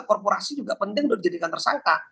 korporasi juga penting untuk dijadikan tersangka